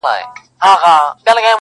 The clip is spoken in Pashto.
شپه د کال او د پېړۍ په څېر اوږده وای-